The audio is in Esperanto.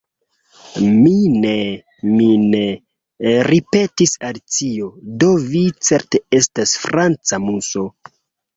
"Mine', mine'," ripetis Alicio "do vi certe estas franca Muso.